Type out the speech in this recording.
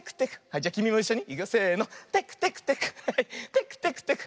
じゃきみもいっしょに。